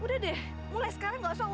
udah deh mulai sekarang gak usah unggul